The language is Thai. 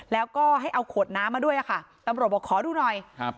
แล้วก็ให้เอาขวดน้ำมาด้วยอะค่ะตำรวจบอกขอดูหน่อยครับ